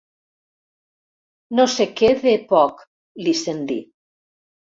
Nosequè d'Epoch —li sent dir.